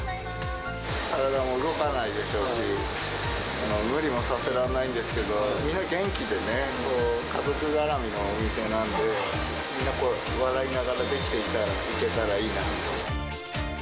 体も動かないでしょうし、無理もさせられないですけど、皆元気でね、家族絡みのお店なんで、みんな笑いながらできていけたらいいな。